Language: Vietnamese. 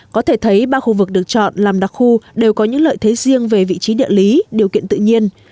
có thể thấy ba khu vực được chọn làm đặc khu đều có những lợi thế riêng về vị trí địa lý điều kiện tự nhiên